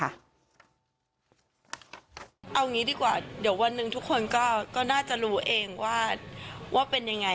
เอางี้ดีกว่าเดี๋ยววันหนึ่งทุกคนก็น่าจะรู้เองว่าเป็นยังไง